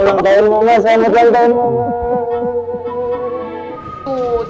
selamat ulang tahun mama